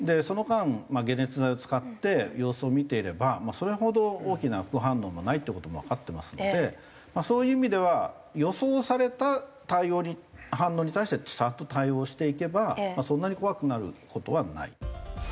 その間解熱剤を使って様子を見ていればまあそれほど大きな副反応もないっていう事もわかってますのでそういう意味では予想された反応に対してちゃんと対応していけばそんなに怖くなる事はない。